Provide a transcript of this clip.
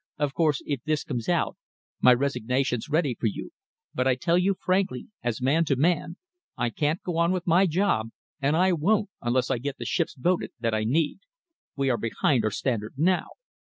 "Of course, if this comes out, my resignation's ready for you, but I tell you frankly, as man to man, I can't go on with my job, and I won't, unless I get the ships voted that I need. We are behind our standard now.